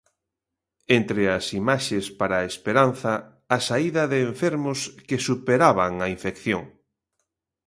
Entre as imaxes para a esperanza, a saída de enfermos que superaban a infección.